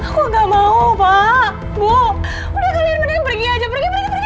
gue gak mau pak bu udah kalian mandiin pergi aja pergi pergi pergi